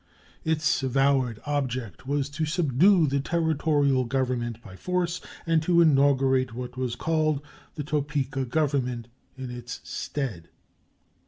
Its avowed object was to subdue the Territorial government by force and to inaugurate what was called the "Topeka government" in its stead.